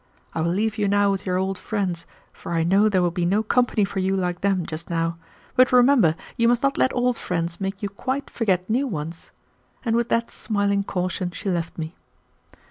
I will leave you now with your old friends, for I know there will be no company for you like them just now; but remember you must not let old friends make you quite forget new ones!" and with that smiling caution she left me.